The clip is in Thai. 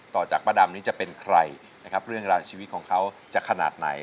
ต่อจากป้าดำนี้จะเป็นใครนะครับเรื่องราวชีวิตของเขาจะขนาดไหน